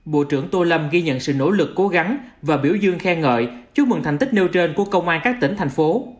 bộ trưởng tô lâm ghi nhận sự nỗ lực cố gắng và biểu dương khen ngợi chúc mừng thành tích nêu trên của công an các tỉnh thành phố